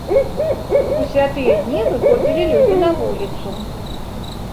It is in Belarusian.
У святыя дні выходзілі людзі на вуліцу.